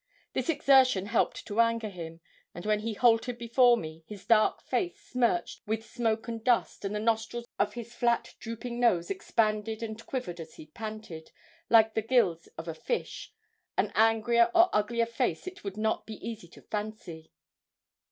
This exertion helped to anger him, and when he halted before me, his dark face smirched with smoke and dust, and the nostrils of his flat drooping nose expanded and quivered as he panted, like the gills of a fish; an angrier or uglier face it would not be easy to fancy.